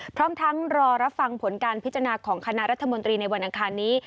พร้อมทั้งรอรับฟังผลการพิจารณาของคณะรัฐมนตรีในวันอังคารนี้